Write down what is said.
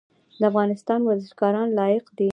د افغانستان ورزشکاران لایق دي